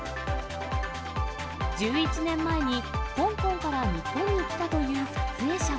１１年前に香港から日本に来たという撮影者は。